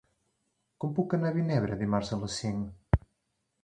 Com puc anar a Vinebre dimarts a les cinc?